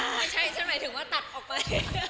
ไม่ใช่ฉันหมายถึงว่าตัดออกไป